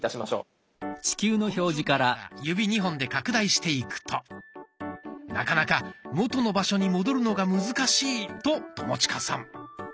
この状態から指２本で拡大していくとなかなか元の場所に戻るのが難しいと友近さん。